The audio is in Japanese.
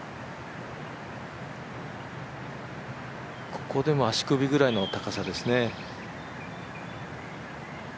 ここでも足首ぐらいの高さですね。